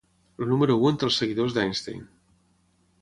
El número u entre els seguidors d'Einstein.